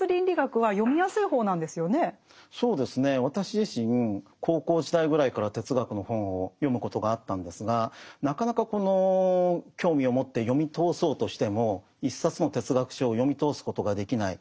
そうですね私自身高校時代ぐらいから哲学の本を読むことがあったんですがなかなかこの興味を持って読み通そうとしても一冊の哲学書を読み通すことができない。